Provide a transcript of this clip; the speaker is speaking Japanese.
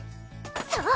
そう！